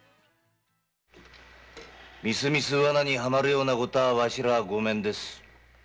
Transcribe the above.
みすみす罠にハマるようなことはわしらはごめんです。